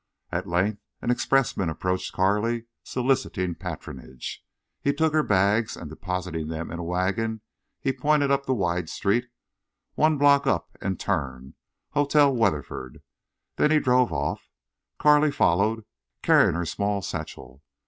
At length an expressman approached Carley, soliciting patronage. He took her bags and, depositing them in a wagon, he pointed up the wide street: "One block up an' turn. Hotel Wetherford." Then he drove off. Carley followed, carrying her small satchel.